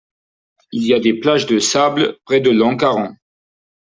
Il y a des plages de sable près de Lankaran.